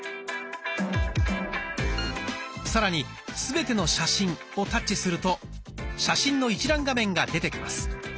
さらに「すべての写真」をタッチすると写真の一覧画面が出てきます。